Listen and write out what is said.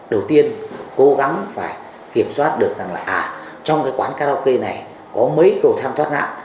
đầu tiên cố gắng phải kiểm soát được rằng là à trong cái quán karaoke này có mấy cầu thang thoát nạn